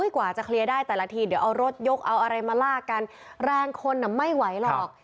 กว่าจะเคลียร์ได้แต่ละทีเดี๋ยวเอารถยกเอาอะไรมาลากกันแรงคนไม่ไหวหรอก